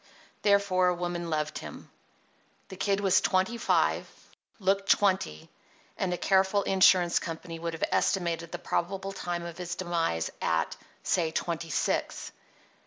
Therefore a woman loved him. The Kid was twenty five, looked twenty; and a careful insurance company would have estimated the probable time of his demise at, say, twenty six.